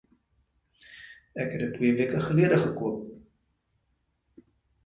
Ek het dit twee weke gelede gekoop